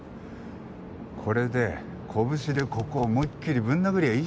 これで拳でここを思いっきりぶん殴りゃいいじゃん。